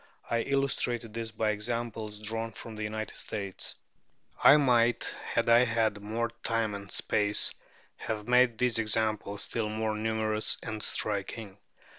I illustrated this by examples drawn from the United States. I might, had I had more time and space, have made these examples still more numerous and striking.